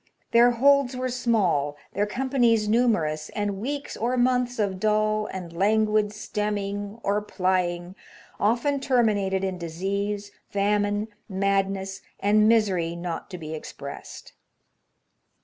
Their holds were small, their companies numerous, and weeks or months of dull and languid " stemming " or "plying" often termi nated in disease, famine, madness, and misery not to be expressed.